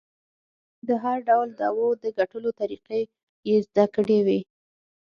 د هر ډول دعوو د ګټلو طریقې یې زده کړې وې.